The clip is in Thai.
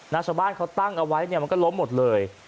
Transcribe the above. นาชาบาลเขาตั้งเอาไว้มันก็ล้มหมดเลย